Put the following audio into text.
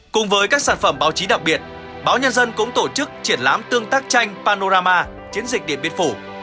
cùng với các sản phẩm báo chí đặc biệt báo nhân dân cũng tổ chức triển lãm tương tác tranh panorama chiến dịch điện biên phủ